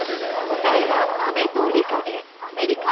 答えは「あめ」と「理科」で「アメリカ」。